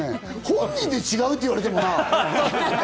本人で違うって言われてもな。